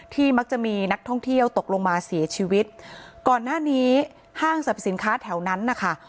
มักจะมีนักท่องเที่ยวตกลงมาเสียชีวิตก่อนหน้านี้ห้างสรรพสินค้าแถวนั้นนะคะ